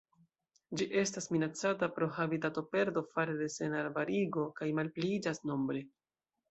Ĝi estas minacata pro habitatoperdo fare de senarbarigo kaj malpliiĝas nombre.